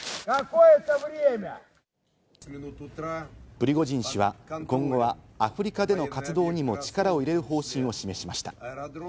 プリゴジン氏は今後はアフリカでの活動にも力を入れる方針を示しました。